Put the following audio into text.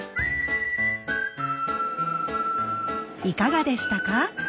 いかがでしたか？